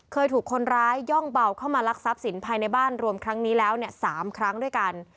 เคยถูกคนร้ายย่องเบาเข้ามาลักทรัพย์สินภายในบ้านรวมครั้งนี้แล้ว๓ครั้งด้วยกัน